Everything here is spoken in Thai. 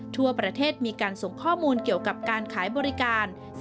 ทั่วประเทศมีการส่งข้อมูลเกี่ยวกับการขายบริการ